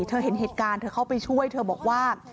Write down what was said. เธอเห็นเหตุการณ์เธอเข้าไปช่วยเธอบอกว่า